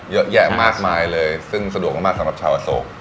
เยอะแยะมากมายเลยซึ่งสะดวกมากสำหรับชาวอโศก